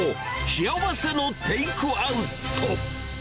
幸せのテイクアウト。